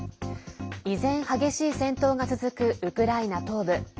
依然激しい戦闘が続くウクライナ東部。